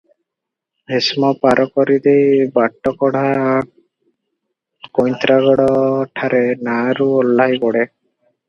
ଭୀଷ୍ମ ପାର କରି ଦେଇ ବାଟକଢ଼ା କଇଁତ୍ରାଗଡଠାରେ ନାଆରୁ ଓହ୍ଲାଇ ପଡ଼େ ।